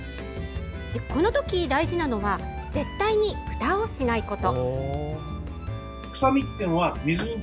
このとき大事なのは絶対にふたをしないこと。